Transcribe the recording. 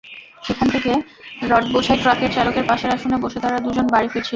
সেখান থেকে রডবোঝাই ট্রাকের চালকের পাশের আসনে বসে তাঁরা দুজন বাড়ি ফিরছিলেন।